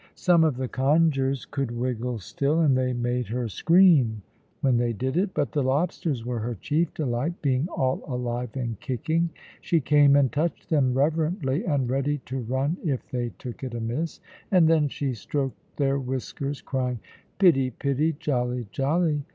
Some of the congers could wriggle still, and they made her scream when they did it; but the lobsters were her chief delight, being all alive and kicking. She came and touched them reverently, and ready to run if they took it amiss; and then she stroked their whiskers, crying, "Pitty, pitty! jolly, jolly!"